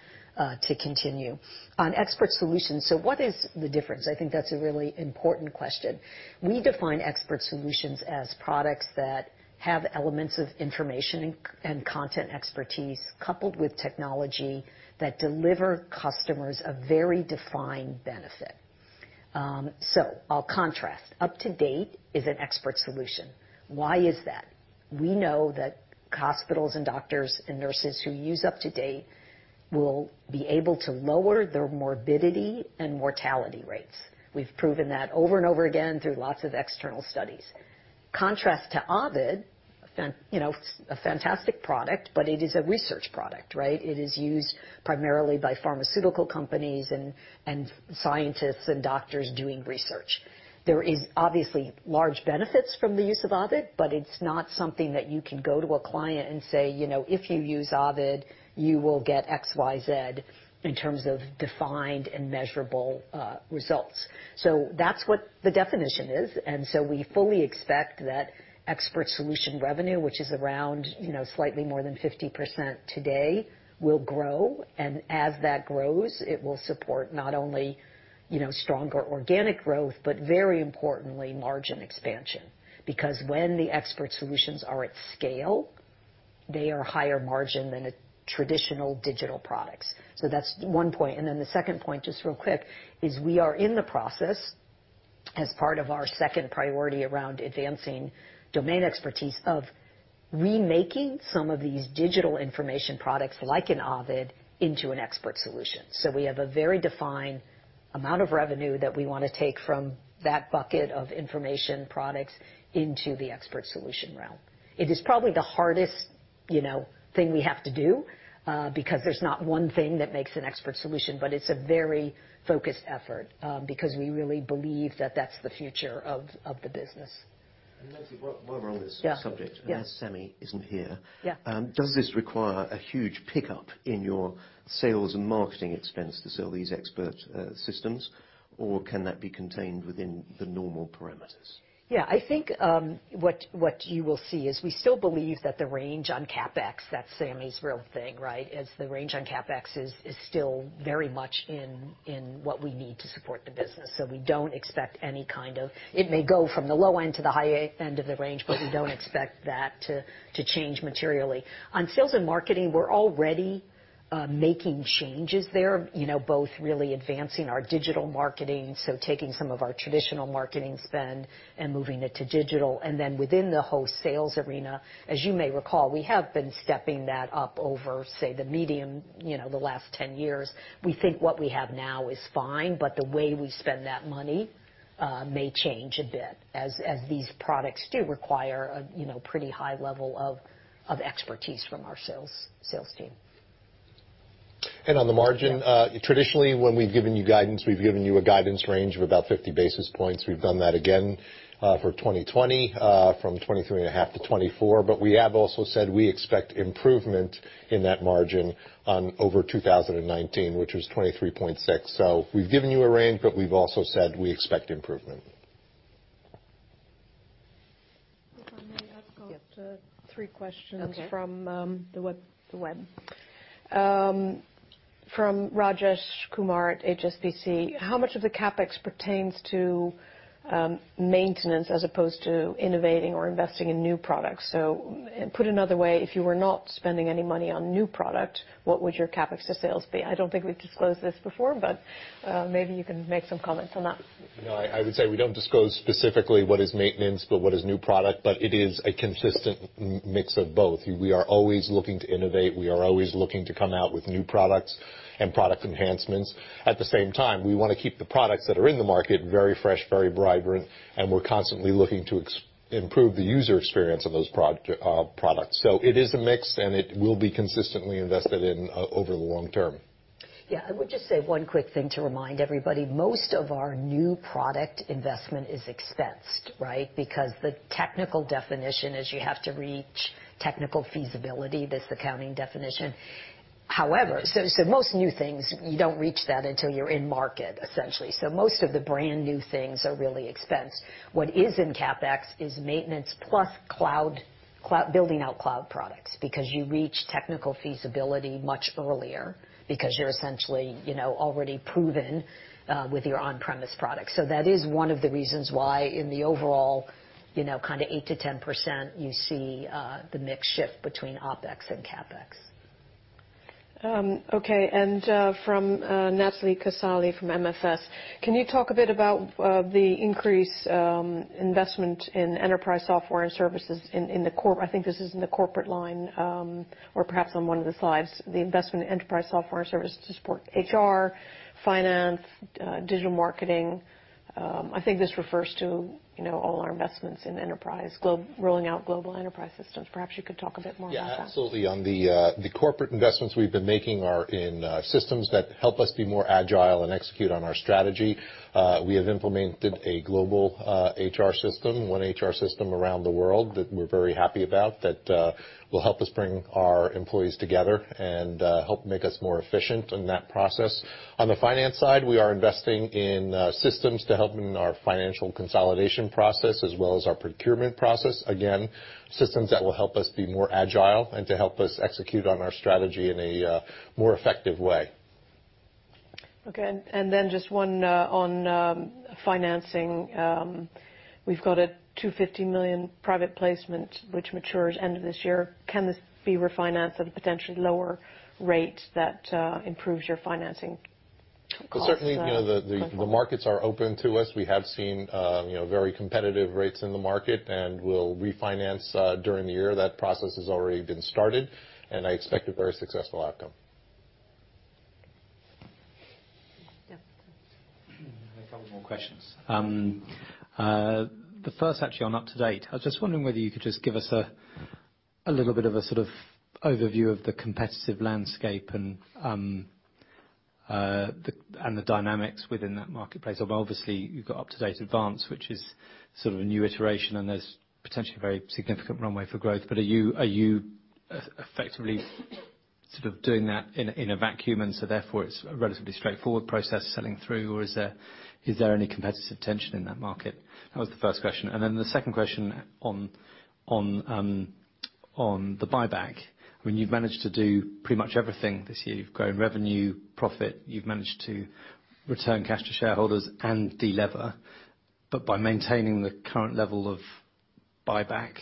to continue. On expert solutions, what is the difference? I think that's a really important question. We define expert solutions as products that have elements of information and content expertise coupled with technology that deliver customers a very defined benefit. I'll contrast. UpToDate is an expert solution. Why is that? We know that hospitals and doctors and nurses who use UpToDate will be able to lower their morbidity and mortality rates. We've proven that over and over again through lots of external studies. Contrast to Ovid, a fantastic product, but it is a research product, right? It is used primarily by pharmaceutical companies and scientists and doctors doing research. There is obviously large benefits from the use of Ovid, but it's not something that you can go to a client and say, "If you use Ovid, you will get XYZ in terms of defined and measurable results." That's what the definition is, and so we fully expect that expert solution revenue, which is around slightly more than 50% today, will grow. As that grows, it will support not only stronger organic growth, but very importantly, margin expansion. When the expert solutions are at scale, they are higher margin than traditional digital products. That's one point. The second point, just real quick, is we are in the process as part of our second priority around advancing domain expertise of remaking some of these digital information products like in Ovid into an expert solution. We have a very defined amount of revenue that we want to take from that bucket of information products into the expert solution realm. It is probably the hardest thing we have to do, because there's not one thing that makes an expert solution, but it's a very focused effort, because we really believe that that's the future of the business. Nancy, while we're on this subject. Yeah As Sami isn't here. Yeah Does this require a huge pickup in your sales and marketing expense to sell these expert systems? Can that be contained within the normal parameters? Yeah, I think what you will see is we still believe that the range on CapEx, that's Sami's real thing, right? The range on CapEx is still very much in what we need to support the business. It may go from the low end to the high end of the range, but we don't expect that to change materially. On sales and marketing, we're already making changes there, both really advancing our digital marketing, so taking some of our traditional marketing spend and moving it to digital. Within the whole sales arena, as you may recall, we have been stepping that up over, say, the medium, the last 10 years. We think what we have now is fine, but the way we spend that money may change a bit, as these products do require a pretty high level of expertise from our sales team. And on the margin- Yeah Traditionally, when we've given you guidance, we've given you a guidance range of about 50 basis points. We've done that again for 2020, from 23.5%-24%. We have also said we expect improvement in that margin on over 2019, which was 23.6%. We've given you a range, but we've also said we expect improvement. If I may ask. Yes Three questions. Okay From the web. From Rajesh Kumar at HSBC, how much of the CapEx pertains to maintenance as opposed to innovating or investing in new products? Put another way, if you were not spending any money on new product, what would your CapEx to sales be? I don't think we've disclosed this before, but maybe you can make some comments on that. I would say we don't disclose specifically what is maintenance, but what is new product, but it is a consistent mix of both. We are always looking to innovate. We are always looking to come out with new products and product enhancements. At the same time, we want to keep the products that are in the market very fresh, very vibrant, and we're constantly looking to improve the user experience of those products. It is a mix, and it will be consistently invested in over the long term. Yeah. I would just say one quick thing to remind everybody. Most of our new product investment is expensed, right? Because the technical definition is you have to reach technical feasibility, this accounting definition. However, most new things, you don't reach that until you're in market, essentially. Most of the brand-new things are really expensed. What is in CapEx is maintenance plus building out cloud products, because you reach technical feasibility much earlier, because you're essentially already proven with your on-premise product. That is one of the reasons why in the overall 8%-10%, you see the mix shift between OpEx and CapEx. Okay. From Natalie Casali from MFS, can you talk a bit about the increased investment in enterprise software and services in the core? I think this is in the corporate line, or perhaps on one of the slides, the investment in enterprise software and services to support HR, finance, digital marketing. I think this refers to all our investments in enterprise, rolling out global enterprise systems. Perhaps you could talk a bit more about that. Yeah, absolutely. The corporate investments we've been making are in systems that help us be more agile and execute on our strategy. We have implemented a global HR system, one HR system around the world that we're very happy about, that will help us bring our employees together and help make us more efficient in that process. On the finance side, we are investing in systems to help in our financial consolidation process as well as our procurement process. Again, systems that will help us be more agile and to help us execute on our strategy in a more effective way. Okay, just one on financing. We've got a 250 million private placement, which matures end of this year. Can this be refinanced at a potentially lower rate that improves your financing costs going forward? Well, certainly, the markets are open to us. We have seen very competitive rates in the market, and we'll refinance during the year. That process has already been started, and I expect a very successful outcome. Yeah. A couple more questions. The first actually on UpToDate. I was just wondering whether you could just give us a little bit of a sort of overview of the competitive landscape and the dynamics within that marketplace. Obviously, you've got UpToDate Advanced, which is sort of a new iteration, and there's potentially a very significant runway for growth. Are you effectively sort of doing that in a vacuum, and so therefore it's a relatively straightforward process selling through, or is there any competitive tension in that market? That was the first question. The second question on the buyback. When you've managed to do pretty much everything this year. You've grown revenue, profit, you've managed to return cash to shareholders and de-lever, but by maintaining the current level of buyback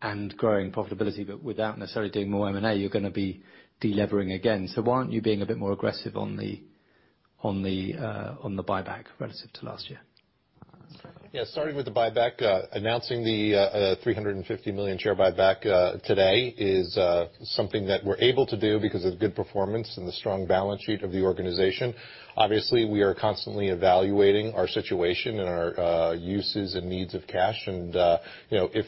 and growing profitability, but without necessarily doing more M&A, you're going to be de-levering again. Why aren't you being a bit more aggressive on the buyback relative to last year? Yeah. Starting with the buyback. Announcing the 350 million share buyback today is something that we're able to do because of good performance and the strong balance sheet of the organization. Obviously, we are constantly evaluating our situation and our uses and needs of cash. If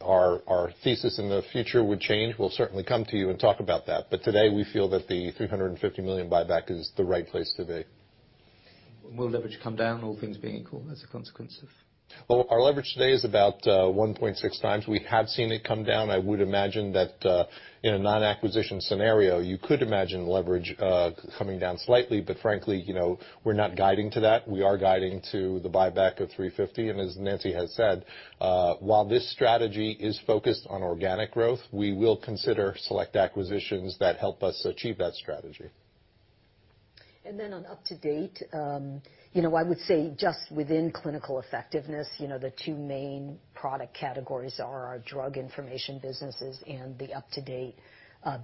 our thesis in the future would change, we'll certainly come to you and talk about that. Today, we feel that the 350 million buyback is the right place to be. Will leverage come down, all things being equal as a consequence of? Well, our leverage today is about 1.6x. We have seen it come down. I would imagine that in a non-acquisition scenario, you could imagine leverage coming down slightly. Frankly, we're not guiding to that. We are guiding to the buyback of 350 million. As Nancy has said, while this strategy is focused on organic growth, we will consider select acquisitions that help us achieve that strategy. On UpToDate, I would say just within clinical effectiveness, the two main product categories are our drug information businesses and the UpToDate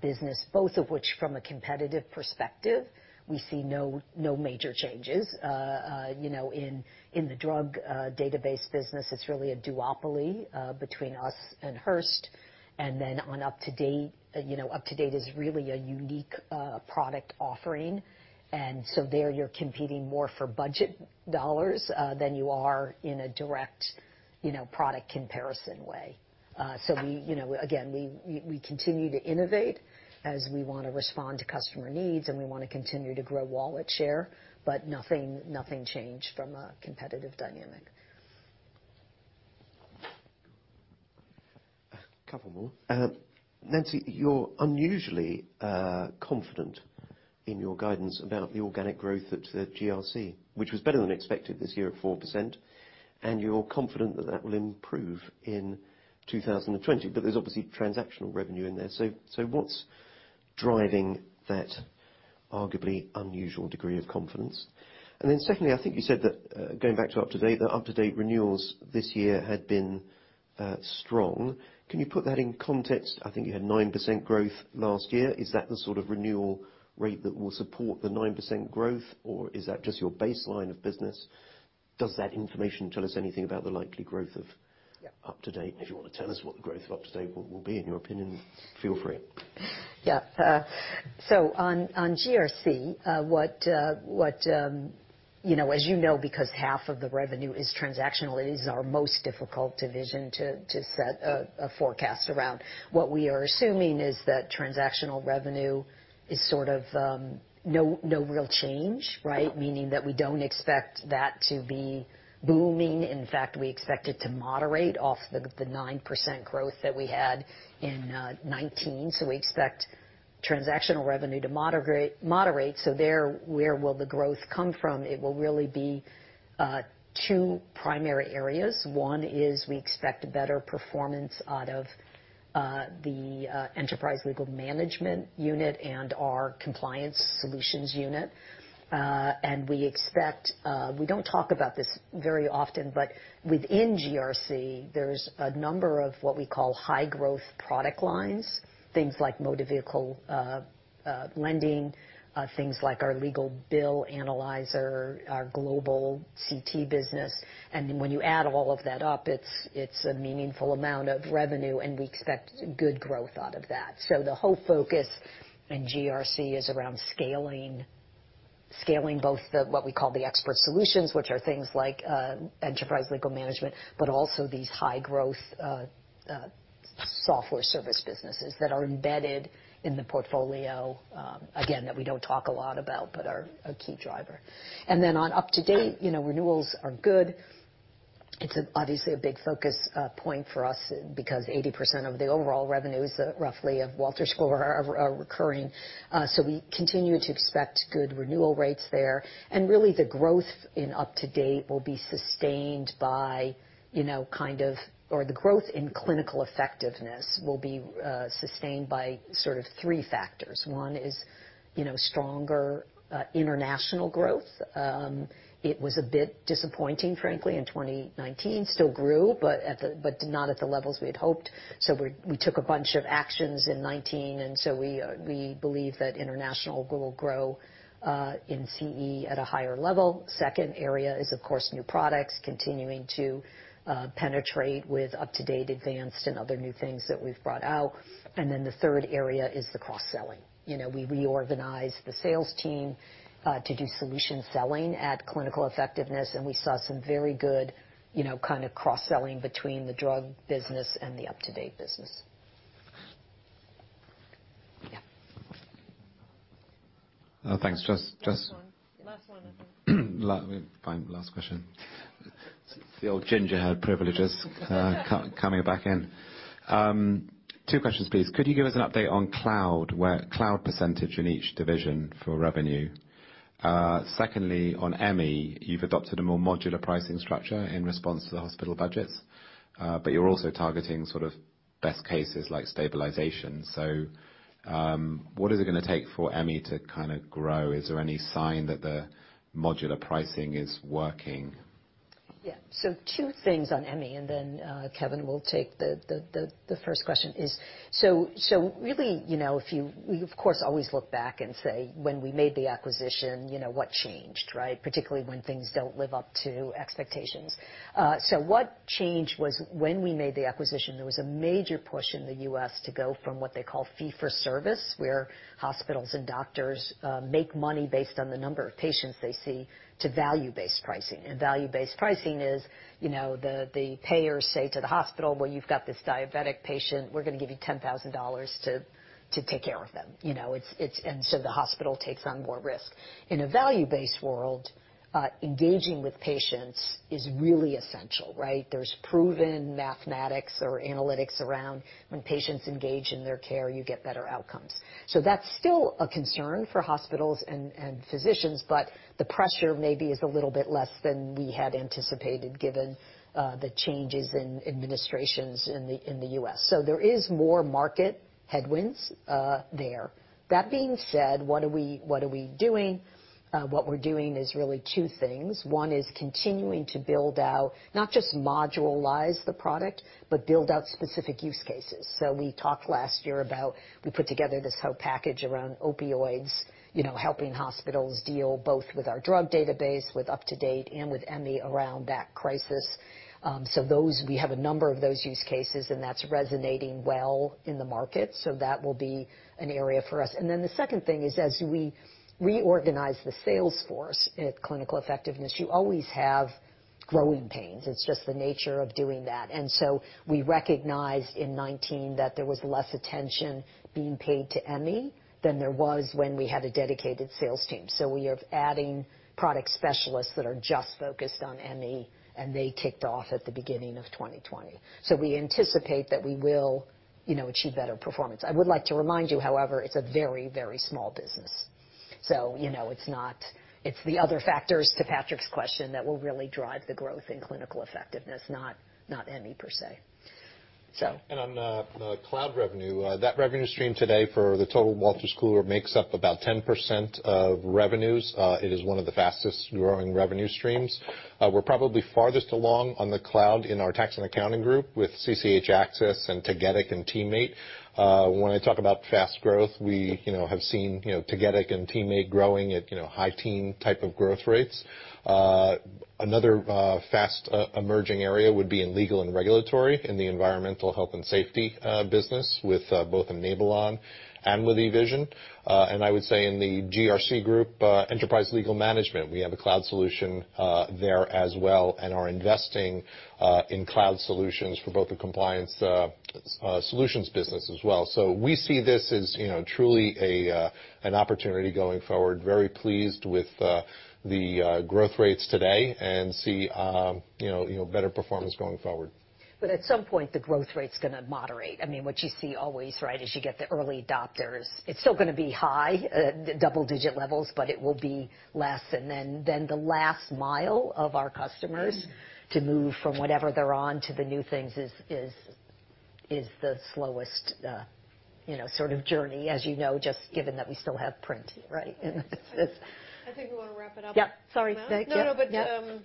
business. Both of which, from a competitive perspective, we see no major changes. In the drug database business, it's really a duopoly between us and Hearst. On UpToDate is really a unique product offering. There you're competing more for budget dollars than you are in a direct product comparison way. Again, we continue to innovate as we want to respond to customer needs, and we want to continue to grow wallet share. Nothing changed from a competitive dynamic. A couple more. Nancy, you're unusually confident in your guidance about the organic growth at GRC, which was better than expected this year at 4%. You're confident that that will improve in 2020. There's obviously transactional revenue in there. What's driving that arguably unusual degree of confidence? Secondly, I think you said that going back to UpToDate, that UpToDate renewals this year had been strong. Can you put that in context? I think you had 9% growth last year. Is that the sort of renewal rate that will support the 9% growth, or is that just your baseline of business? Does that information tell us anything about the likely growth of UpToDate? If you want to tell us what the growth of UpToDate will be, in your opinion, feel free. On GRC, as you know, because half of the revenue is transactional, it is our most difficult division to set a forecast around. What we are assuming is that transactional revenue is sort of no real change, right? Meaning that we don't expect that to be booming. In fact, we expect it to moderate off the 9% growth that we had in 2019. We expect transactional revenue to moderate. There, where will the growth come from? It will really be two primary areas. One is we expect a better performance out of the Enterprise Legal Management unit and our Compliance Solutions unit. We don't talk about this very often, but within GRC, there's a number of what we call high-growth product lines, things like motor vehicle lending, things like our legal bill analyzer, our global CT business. When you add all of that up, it's a meaningful amount of revenue, and we expect good growth out of that. The whole focus in GRC is around scaling both what we call the expert solutions, which are things like Enterprise Legal Management, but also these high-growth software service businesses that are embedded in the portfolio, again, that we don't talk a lot about but are a key driver. On UpToDate, renewals are good. It's obviously a big focus point for us because 80% of the overall revenues, roughly, of Wolters Kluwer are recurring. We continue to expect good renewal rates there. The growth in UpToDate will be sustained by sort of three factors. One is stronger international growth. It was a bit disappointing, frankly, in 2019. Still grew, but not at the levels we had hoped. We took a bunch of actions in 2019. We believe that international will grow in CE at a higher level. Second area is, of course, new products, continuing to penetrate with UpToDate Advanced and other new things that we've brought out. The third area is the cross-selling. We reorganized the sales team to do solution selling at Clinical Effectiveness. We saw some very good kind of cross-selling between the drug business and the UpToDate business. Yeah. Thanks. Last one. Last one. Fine. Last question. The old ginger privileges- coming back in. Two questions, please. Could you give us an update on cloud, where cloud percentage in each division for revenue. Secondly, on Emmi, you've adopted a more modular pricing structure in response to the hospital budgets. You're also targeting sort of best cases like stabilization. What is it going to take for Emmi to kind of grow? Is there any sign that the modular pricing is working? Two things on Emmi, and then Kevin will take the first question. Really, we of course always look back and say, "When we made the acquisition, what changed?" Right? Particularly when things don't live up to expectations. What changed was when we made the acquisition, there was a major push in the U.S. to go from what they call fee for service, where hospitals and doctors make money based on the number of patients they see, to value-based pricing. Value-based pricing is, the payers say to the hospital, "Well, you've got this diabetic patient. We're going to give you $10,000 to take care of them." The hospital takes on more risk. In a value-based world, engaging with patients is really essential, right? There's proven mathematics or analytics around when patients engage in their care, you get better outcomes. That's still a concern for hospitals and physicians, but the pressure maybe is a little bit less than we had anticipated given the changes in administrations in the U.S. There is more market headwinds there. That being said, what are we doing? What we're doing is really two things. One is continuing to build out, not just modularize the product, but build out specific use cases. We talked last year about we put together this whole package around opioids, helping hospitals deal both with our drug database, with UpToDate, and with Emmi around that crisis. We have a number of those use cases, and that's resonating well in the market. That will be an area for us. The second thing is as we reorganize the sales force at Clinical Effectiveness, you always have growing pains. It's just the nature of doing that. We recognized in 2019 that there was less attention being paid to Emmi than there was when we had a dedicated sales team. We are adding product specialists that are just focused on Emmi, and they kicked off at the beginning of 2020. We anticipate that we will achieve better performance. I would like to remind you, however, it's a very, very small business. It's the other factors to Patrick's question that will really drive the growth in clinical effectiveness, not Emmi per se. On the cloud revenue, that revenue stream today for the total Wolters Kluwer makes up about 10% of revenues. It is one of the fastest-growing revenue streams. We're probably farthest along on the cloud in our Tax & Accounting group with CCH Axcess and CCH Tagetik and TeamMate. When I talk about fast growth, we have seen CCH Tagetik and TeamMate growing at high-teen type of growth rates. Another fast-emerging area would be in Legal & Regulatory, in the Environment, Health & Safety business with both Enablon and with eVision. I would say in the GRC group, Enterprise Legal Management, we have a cloud solution there as well and are investing in cloud solutions for both the Compliance Solutions business as well. We see this as truly an opportunity going forward. Very pleased with the growth rates today and see better performance going forward. At some point, the growth rate's going to moderate. What you see always, right, is you get the early adopters. It's still going to be high, double-digit levels, but it will be less. The last mile of our customers to move from whatever they're on to the new things is the slowest sort of journey, as you know, just given that we still have print, right? I think we want to wrap it up. Yep. Sorry. Thank you. No,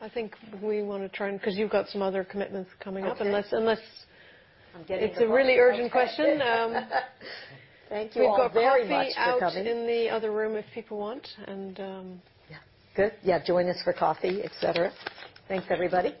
I think we want to try and because you've got some other commitments coming up. Okay. Unless- I'm getting- It's a really urgent question. Thank you all very much for coming. We've got coffee out in the other room if people want. Yeah. Good. Yeah. Join us for coffee, et cetera. Thanks, everybody.